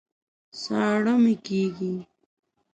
ساړه مي کېږي